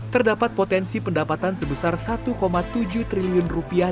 terdapat potensi pendapatan sebesar satu tujuh triliun rupiah